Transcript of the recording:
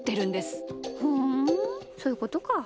ふんそういうことか。